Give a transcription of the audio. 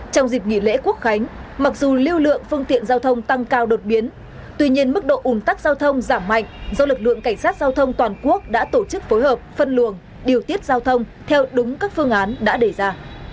trong dịp nghỉ lễ quốc khánh mặc dù lưu lượng phương tiện giao thông tăng cao đột biến tuy nhiên mức độ ủng tắc giao thông giảm mạnh do lực lượng cảnh sát giao thông toàn quốc đã tổ chức phối hợp phân luồng điều tiết giao thông theo đúng các phương án đã đề ra